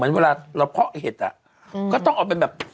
เหมือนเวลาเราเพาะเห็ดก็ต้องเอาไปแบบ